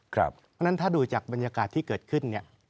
เพราะฉะนั้นถ้าดูจากบรรยากาศที่เกิดขึ้นเนี่ย